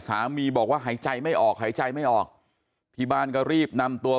สามีบอกว่าหายใจไม่ออกหายใจไม่ออกที่บ้านก็รีบนำตัว